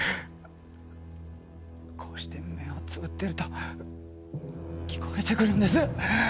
こうして目をつぶってると聞こえてくるんです。